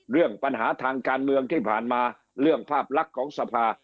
เรื่องปัญหาทางการเมืองที่ผ่านมาเรื่องภาพลักษณ์ของสภา